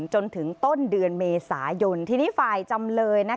จนถึงต้นเดือนเมษายนทีนี้ฝ่ายจำเลย